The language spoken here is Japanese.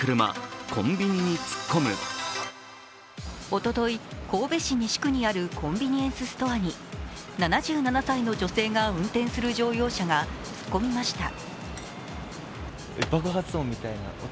おととい、神戸市西区にあるコンビニエンスストアに７７歳の女性が運転する乗用車が突っ込みました。